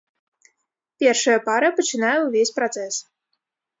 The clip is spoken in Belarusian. Першая пара пачынае ўвесь працэс.